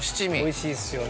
美味しいっすよね。